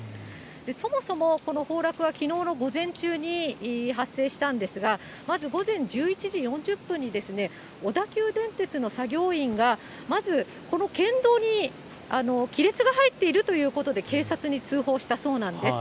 そもそも、この崩落はきのうの午前中に発生したんですが、まず午前１１時４０分にですね、小田急電鉄の作業員が、まずこの県道に亀裂が入っているということで、警察に通報したそうなんです。